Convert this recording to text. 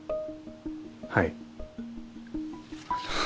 はい。